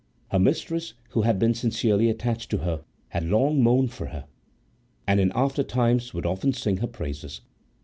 Her mistress, who had been sincerely attached to her, had long mourned for her, and in after times would often sing her praises.